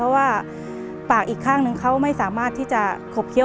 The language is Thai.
รายการต่อไปนี้เป็นรายการทั่วไปสามารถรับชมได้ทุกวัย